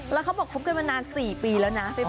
แล้วเค้าบอกคุ้มกันมานานสี่ปีแล้วนะ